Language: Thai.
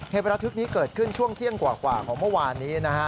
ประทึกนี้เกิดขึ้นช่วงเที่ยงกว่าของเมื่อวานนี้นะฮะ